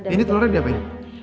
ini telurnya diapain